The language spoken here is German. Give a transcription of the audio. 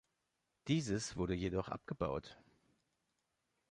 Dieses wurde jedoch abgebaut.